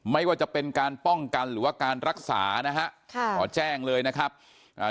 ไม่ว่าจะเป็นการป้องกันหรือว่าการรักษานะฮะค่ะขอแจ้งเลยนะครับอ่า